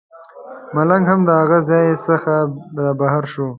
ملنګ هم د هغه ځای څخه رابهر شو.